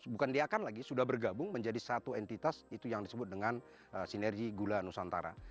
bukan dia akan lagi sudah bergabung menjadi satu entitas itu yang disebut dengan sinergi gula nusantara